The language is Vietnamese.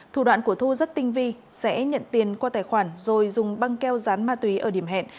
thủ đoạn của thu rất tinh vi sẽ nhận tiền qua tài khoản rồi dùng băng keo rán ma túy ở điểm hẹn